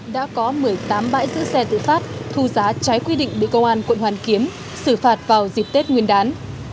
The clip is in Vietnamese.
đã có một mươi tám bãi giữ xe tự phát thu giá trái quy định bị công an quận hoàn kiếm xử phạt vào dịp tết nguyên đán